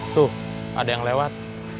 tuh ada yang lewat